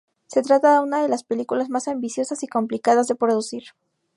Se trata de una de las películas más ambiciosas y complicadas de producir.